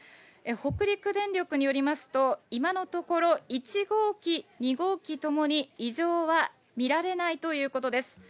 北陸電力によりますと、今のところ、１号機、２号機ともに異常は見られないということです。